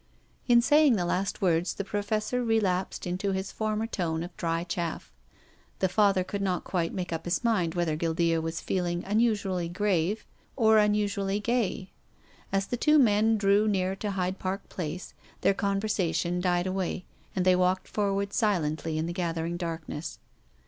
In saying the last words the Professor re lapsed into his former tone of dry chaff. The Father could not quite make up his mind whether Guildea was feeling unusually grave or unusually gay. As the two men drew near to Hyde Park Place their conversation died away and they walked forward silently in the gathering darkness.